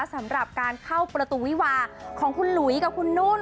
สำหรับการเข้าประตูวิวาของคุณหลุยกับคุณนุ่น